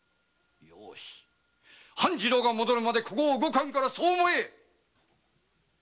半次郎が戻るまでここを動かんからそう思え！